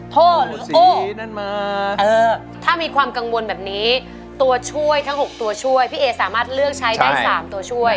โทษหรือโอ้ถ้ามีความกังวลแบบนี้ตัวช่วยทั้ง๖ตัวช่วยพี่เอสามารถเลือกใช้ได้๓ตัวช่วย